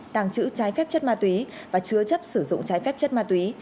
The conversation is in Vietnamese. tàng trữ trái phép chất ma túy và chứa chấp sử dụng trái phép chất ma túy